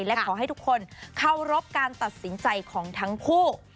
และขอให้ทุกคนเคารพการตัดสินใจของทั้งคู่